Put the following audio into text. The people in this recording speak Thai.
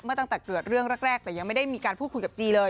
ตั้งแต่เกิดเรื่องแรกแต่ยังไม่ได้มีการพูดคุยกับจีเลย